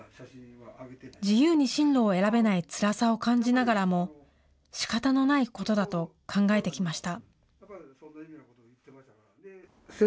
自由に進路を選べないつらさを感じながらも、しかたのないことだと考えてきました。